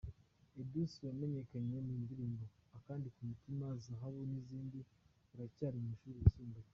Edouce wamenyekanye mu ndirimbo “Akandi Ku Mutima”, “Zahabu” n’izindi aracyari mu mashuri yisumbuye.